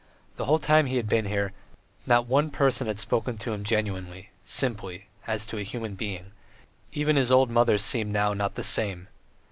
The whole time he had been here, not one person had spoken to him genuinely, simply, as to a human being; even his old mother seemed now not the same!